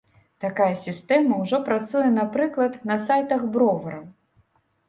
Такая сістэма ўжо працуе, напрыклад, на сайтах бровараў.